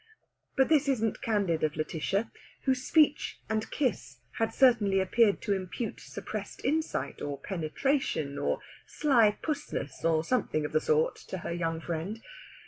But this isn't candid of Lætitia, whose speech and kiss had certainly appeared to impute suppressed insight, or penetration, or sly pussness, or something of that sort to her young friend.